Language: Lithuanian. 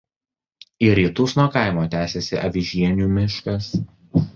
Į rytus nuo kaimo tęsiasi Avižienių miškas.